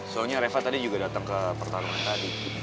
soalnya reva tadi juga datang ke pertarungan tadi